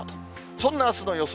そんなあすの予想